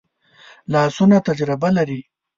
لاسونه تجربه لري